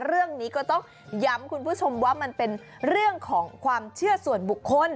เรื่องนี้ก็ต้องย้ำคุณผู้ชมว่ามันเป็นเรื่องของความเชื่อส่วนบุคคล